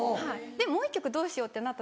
でもう１曲どうしようって。